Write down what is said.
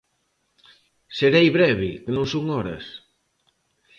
Serei breve, que non son horas.